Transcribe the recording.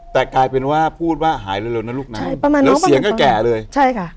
แต่กลายเป็นว่าพูดว่าหายเร็วนะลูกนะหายประมาณแล้วเสียงก็แก่เลยใช่ค่ะ